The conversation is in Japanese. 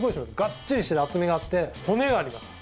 がっちりしてて厚みがあって骨があります。